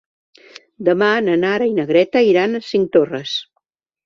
Demà na Nara i na Greta iran a Cinctorres.